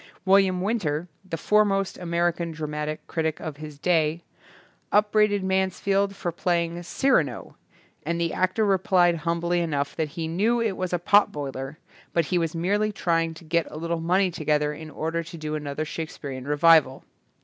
William Winter, the foremost Ameri can dramatic critic of his day, up braided Mansfield for playing "Cy rano", and the actor replied humbly enough that he knew it was a potboiler but he was merely trying to get a little money together in order to do another Shakespearian revival.